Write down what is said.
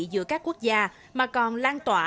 giữa các quốc gia mà còn lan tỏa